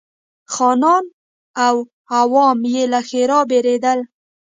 خانان او عوام یې له ښرا بېرېدل.